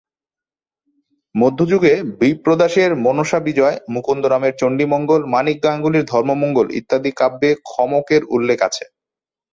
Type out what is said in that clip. মধ্যযুগে বিপ্রদাসের মনসাবিজয়, মুকুন্দরামের চন্ডীমঙ্গল, মানিক গাঙ্গুলির ধর্মমঙ্গল ইত্যাদি কাব্যে খমকের উল্লেখ আছে।